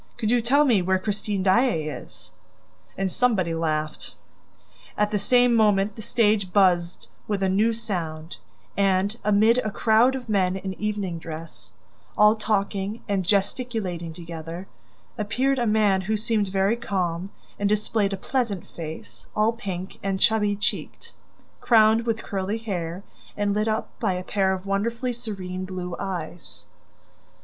Could you tell me where Christine Daae is?" And somebody laughed. At the same moment the stage buzzed with a new sound and, amid a crowd of men in evening dress, all talking and gesticulating together, appeared a man who seemed very calm and displayed a pleasant face, all pink and chubby cheeked, crowned with curly hair and lit up by a pair of wonderfully serene blue eyes.